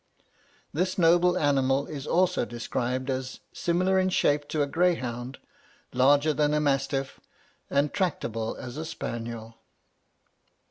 This noble animal is also described as "similar in shape to a greyhound, larger than a mastiff, and tractable as a spaniel."